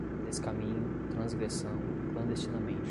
descaminho, transgressão, clandestinamente